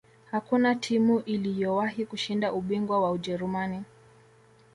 hakuna timu iliyowahi kushinda ubingwa wa ujerumani